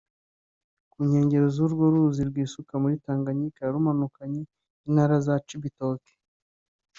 Ku nkengera z’urwo ruzi rwisuka muri Tanganyika rumanukanye intara za Cibitoke